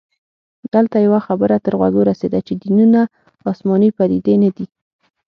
دلته يوه خبره تر غوږه رسیده چې دینونه اسماني پديدې نه دي